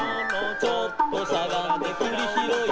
「ちょっとしゃがんでくりひろい」